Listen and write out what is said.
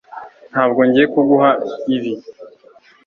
ntabwo ngiye kuguha ibi